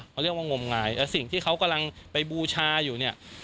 เขาเรียกว่างมงายแล้วสิ่งที่เขากำลังไปบูชาอยู่เนี่ย